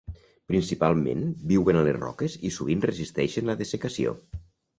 Principalment viuen a les roques i sovint resisteixen la dessecació.